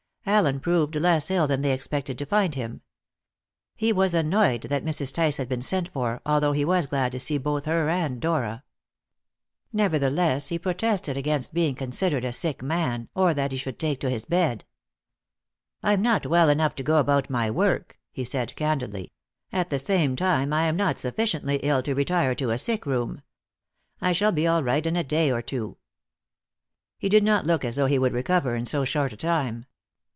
Allen proved less ill than they expected to find him. He was annoyed that Mrs. Tice had been sent for, although he was glad to see both her and Dora. Nevertheless, he protested against being considered a sick man, or that he should take to his bed. "I'm not well enough to go about my work," he said candidly; "at the same time, I am not sufficiently ill to retire to a sick room. I shall be all right in a day or two." He did not look as though he would recover in so short a time.